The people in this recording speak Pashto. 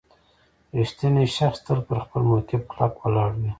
• رښتینی شخص تل پر خپل موقف کلک ولاړ وي.